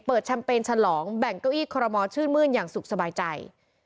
แชมเปญฉลองแบ่งเก้าอี้คอรมอลชื่นมื้นอย่างสุขสบายใจ